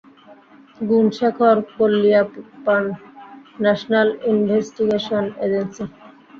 গুণশেখর Kolliappan, national investigation agency.